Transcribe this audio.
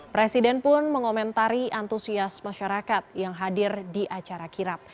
presiden pun mengomentari antusias masyarakat yang hadir di acara kirap